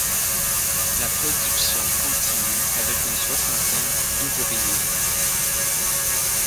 La production continue avec une soixantaine d’ouvriers.